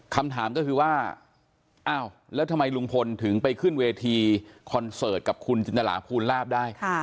คำถามก็คือว่าอ้าวแล้วทำไมลุงพลถึงไปขึ้นเวทีคอนเสิร์ตกับคุณจินตราภูลาภได้